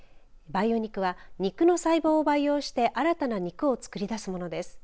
培養肉は肉の細胞を培養して新たな肉をつくり出すものです。